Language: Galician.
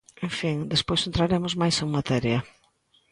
En fin, despois entraremos máis en materia.